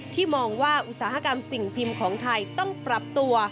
มองว่าอุตสาหกรรมสิ่งพิมพ์ของไทยต้องปรับตัว